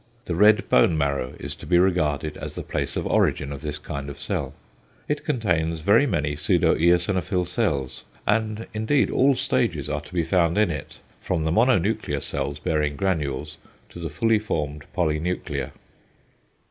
The red bone marrow is to be regarded as the place of origin of this kind of cell. It contains very many pseudoeosinophil cells, and indeed all stages are to be found in it, from the mononuclear cells bearing granules to the fully formed polynuclear.